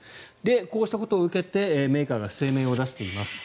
こうしたことを受けてメーカーが声明を出しています。